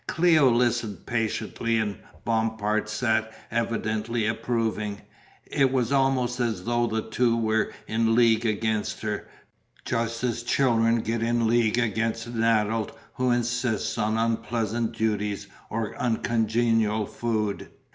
Cléo listened patiently and Bompard sat evidently approving. It was almost as though the two were in league against her, just as children get in league against an adult who insists on unpleasant duties or uncongenial food.